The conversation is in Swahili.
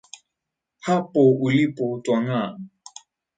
Hapo ulipo twang'aa.